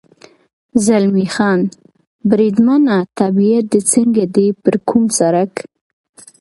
زلمی خان: بریدمنه، طبیعت دې څنګه دی؟ پر کوم سړک.